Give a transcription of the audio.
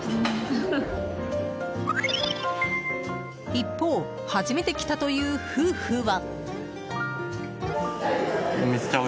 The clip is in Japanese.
一方、初めて来たという夫婦は。